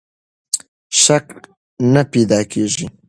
شک نه پیدا کېږي.